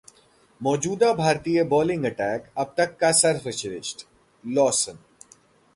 मौजूदा भारतीय bowling attack अब तक का सर्वश्रेष्ठ: लॉसन